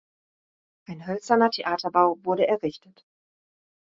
Ein hölzerner Theaterbau wurde errichtet.